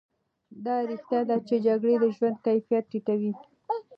دا رښتیا ده چې جګړې د ژوند کیفیت ټیټوي.